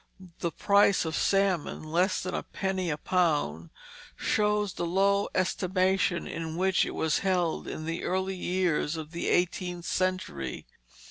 The price of salmon less than a penny a pound shows the low estimation in which it was held in the early years of the eighteenth century.